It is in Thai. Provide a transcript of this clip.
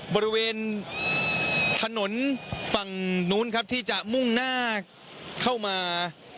บริเวณถนนฝั่งนู้นครับที่จะมุ่งหน้าเข้ามา